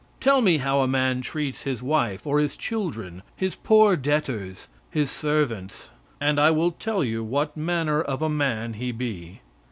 Tell me how a man treats his wife or his children, his poor debtors, his servants, and I will tell you what manner of a man he be.